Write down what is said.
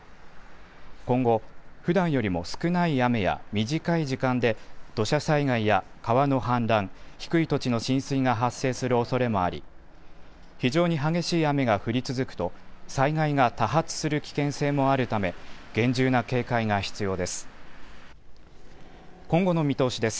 今後、ふだんよりも少ない雨や短い時間で土砂災害や川の氾濫、低い土地の浸水が発生するおそれもあり非常に激しい雨が降り続くと、災害が多発する危険性もあるため厳重な警戒が必要です。